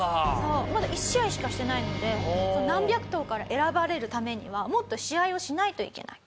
まだ１試合しかしてないので何百頭から選ばれるためにはもっと試合をしないといけない。